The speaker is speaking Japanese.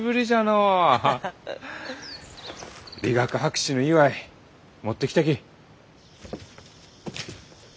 理学博士の祝い持ってきたき。